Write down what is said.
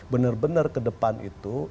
benar benar ke depan itu